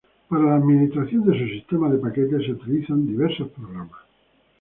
Para la administración de su sistema de paquetes se utilizan diversos programas.